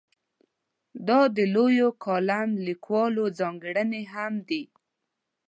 دا د لویو کالم لیکوالو ځانګړنې هم دي.